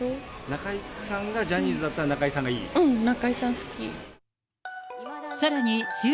中居さんがジャニーズだったら、うん、中居さん好き。